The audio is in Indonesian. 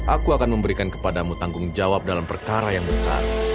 aku akan memberikan kepadamu tanggung jawab dalam perkara yang besar